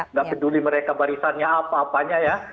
nggak peduli mereka barisannya apa apanya ya